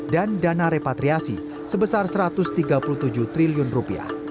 dan dana repatriasi sebesar satu ratus tiga puluh tujuh triliun rupiah